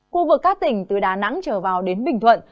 khu vực các tỉnh từ đà nẵng trở vào đến bình thuận